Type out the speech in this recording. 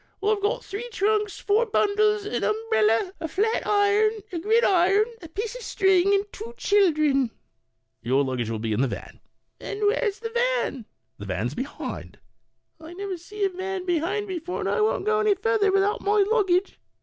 "I've got three trunks, four bundles, an umbrella, a flat iron, a gridiron, a piece of string, and two children." Porter. " Tour luggage will be in the van." Eat Lady. " And where's the wan?" Porter. "The van's behind." Eat Lady. " I never see a wan behind before, and I won't go any further without my luggage."